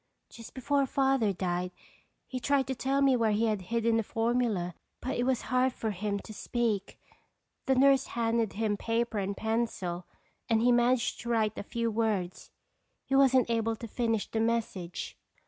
"Just before Father died he tried to tell where he had hidden the formula but it was hard for him to speak. The nurse handed him paper and pencil and he managed to write a few words. He wasn't able to finish the message."